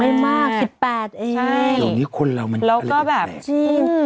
ไม่มาก๑๘แล้วนี้คนเรามันกาแหละแหละ